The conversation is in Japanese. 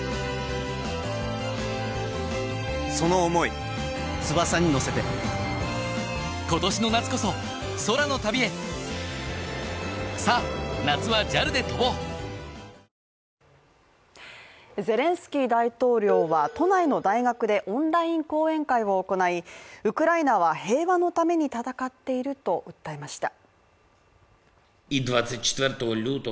でも織田さんの熱い思いが詰まった、メーンはゼレンスキー大統領は都内の大学でオンライン講演会を行いウクライナは平和のために戦っていると訴えました。